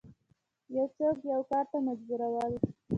یو څوک یو کار ته مجبورول